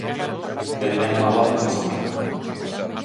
Que teñan unha boa fin de semana.